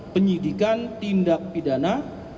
penyidikan tindak pidana